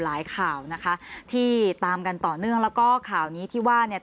ข่าวนะคะที่ตามกันต่อเนื่องแล้วก็ข่าวนี้ที่ว่าเนี่ย